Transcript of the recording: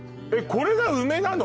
これが梅なの？